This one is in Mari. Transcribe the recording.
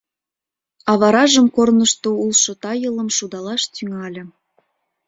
А варажым корнышто улшо тайылым шудалаш тӱҥале.